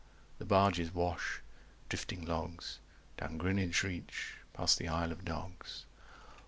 The barges wash Drifting logs Down Greenwich reach 275 Past the Isle of Dogs.